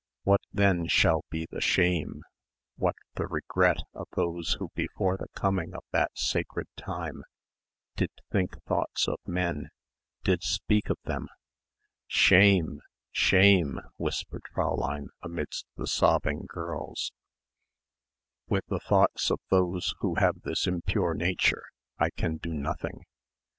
What then shall be the shame, what the regret of those who before the coming of that sacred time did think thoughts of men, did speak of them? Shame, shame," whispered Fräulein amidst the sobbing of the girls. "With the thoughts of those who have this impure nature I can do nothing.